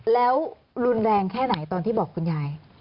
แล้วรุนแรงแค่ไหนตอนที่บอกคุณยาย